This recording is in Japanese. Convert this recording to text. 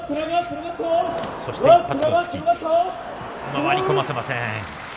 回り込ませません。